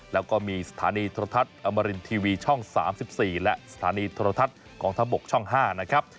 แล้วก็มีสถานีโทรทัศน์อมรินทีวีช่อง๓๔และสถานีโทรทัศน์กองทัพบกช่อง๕นะครับ